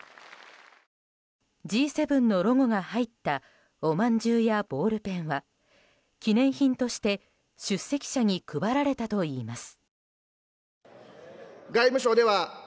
Ｇ７のロゴが入ったおまんじゅうやボールペンは記念品として出席者に配られたといいます。